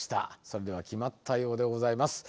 それでは決まったようでございます。